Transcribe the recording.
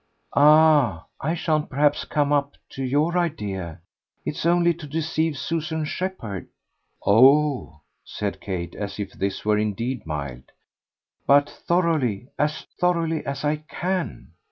"Ah I shan't perhaps come up to your idea. It's only to deceive Susan Shepherd." "Oh!" said Kate as if this were indeed mild. "But thoroughly as thoroughly as I can."